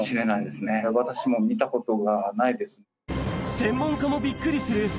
専門家もびっくりする